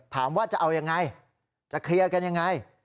ถามว่าจะเอายังไงจะเคลียร์กันยังไง